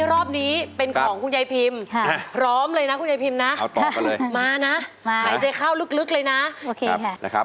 รอบนี้เป็นของคุณยายพิมพร้อมเลยนะคุณยายพิมนะมานะหายใจเข้าลึกเลยนะโอเคค่ะนะครับ